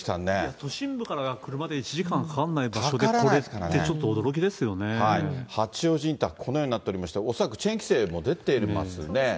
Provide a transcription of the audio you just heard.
都心部から車で１時間かからない場所でこれって、八王子インター、このようになっておりまして、恐らくチェーン規制も出ておりますね。